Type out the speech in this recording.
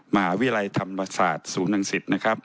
มหาวิรัยธรรมศาสตร์ศูนย์อังสศิษย์